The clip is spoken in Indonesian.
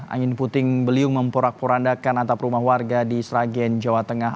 angin puting beliung memporak porandakan atap rumah warga di sragen jawa tengah